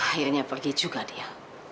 akhirnya pergi juga dia